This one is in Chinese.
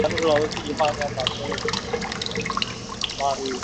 中国大陆版标题由著名书法家关东升先生提写。